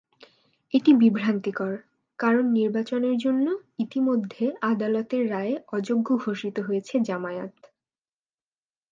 এটি বিভ্রান্তিকর, কারণ নির্বাচনের জন্য ইতিমধ্যে আদালতের রায়ে অযোগ্য ঘোষিত হয়েছে জামায়াত।